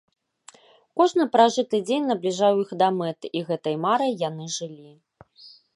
Кожны пражыты дзень набліжаў іх да мэты, і гэтай марай яны жылі.